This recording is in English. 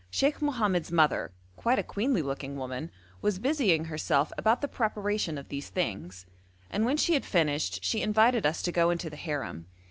Sheikh Mohammed's mother, quite a queenly looking woman, was busying herself about the preparation of these things, and when she had finished she invited us to go into the harem.